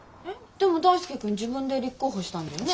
でも大介君自分で立候補したんだよね？